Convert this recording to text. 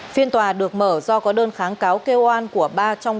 phiên tòa được mở do có đơn kháng cáo kêu oan của ba trong